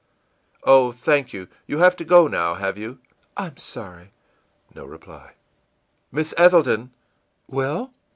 î ìOh, thank you! You have to go, now, have you?î ìI'm sorry.î No reply. ìMiss Ethelton!î ìWell?